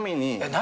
何？